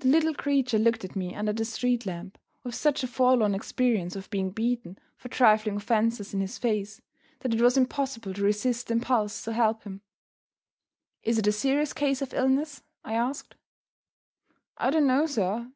The little creature looked at me under the street lamp with such a forlorn experience of being beaten for trifling offenses in his face, that it was impossible to resist the impulse to help him. "Is it a serious case of illness?" I asked. "I don't know, sir."